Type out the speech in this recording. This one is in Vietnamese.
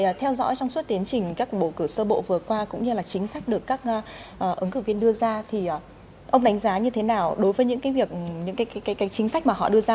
và theo dõi trong suốt tiến trình các bầu cử sơ bộ vừa qua cũng như là chính sách được các ứng cử viên đưa ra thì ông đánh giá như thế nào đối với những cái việc những cái chính sách mà họ đưa ra